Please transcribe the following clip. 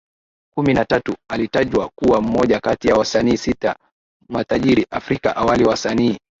kumi na tatu alitajwa kuwa mmoja kati ya wasanii sita matajiri Afrika Awali wasanii